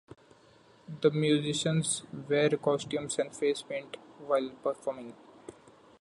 The musicians wear costumes and face paint while performing.